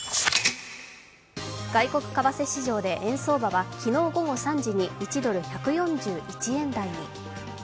外国為替市場で円相場は、昨日午後３時に１ドル＝１４１円台に。